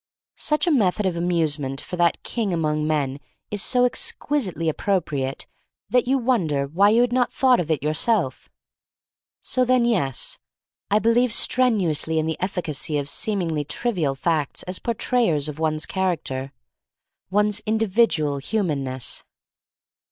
Such a method of amusement for that king among men is so ex quisitely appropriate that you wonder why you had not thought of it yourself. So, then, yes. I believe strenuously in the efficacy of seemingly trivial facts as portrayers of one's character — one's individual humanness.